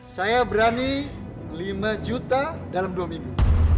saya berani lima juta dalam dua minggu